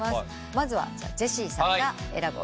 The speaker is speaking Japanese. まずはジェシーさんが選ぶ推しカット。